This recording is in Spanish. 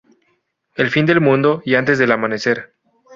El fin del mundo y antes del amanecer